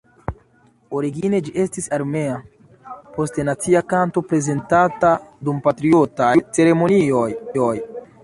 Origine ĝi estis armea, poste nacia kanto prezentata dum patriotaj ceremonioj.